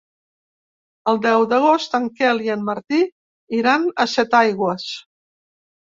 El deu d'agost en Quel i en Martí iran a Setaigües.